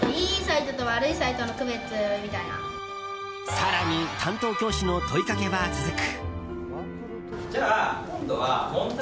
更に担当教師の問いかけは続く。